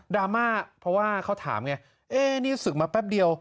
ราม่าเพราะว่าเขาถามไงนี่ศึกมาแป๊บเดียว